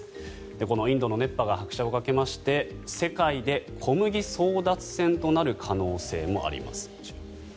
このインドの熱波が拍車をかけまして世界で小麦争奪戦となる可能性もあります。